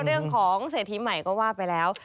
เรื่องของเศรษฐีใหม่ก็ว่าไปแล้ว